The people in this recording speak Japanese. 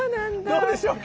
どうでしょうか？